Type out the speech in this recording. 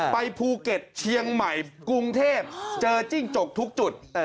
ไปภูเก็ตเชียงใหม่กรุงเทพเจอจิ้งจกทุกจุด